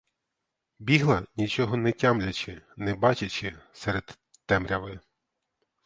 Бігла, нічого не тямлячи, не бачачи, серед темряви.